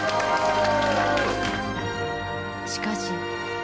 しかし。